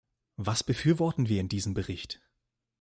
Was befürworten wir in diesem Bericht?